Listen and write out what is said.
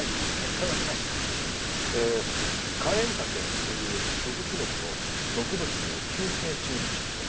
えーカエンタケという毒キノコの毒物による急性中毒死でした。